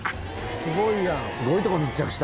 すごいやん！